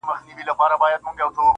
o خداى پاماني كومه.